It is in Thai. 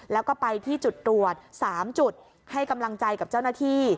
แล้วก็ไปที่จุดตรวจ๓จุดให้กำลังใจกับเจ้าหน้าที่